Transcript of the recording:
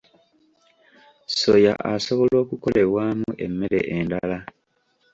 Soya asobola okukolebwamu emmere endala.